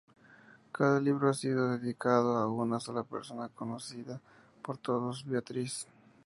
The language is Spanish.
Cada libro ha sido dedicado a una sola persona, conocida por todos como Beatrice.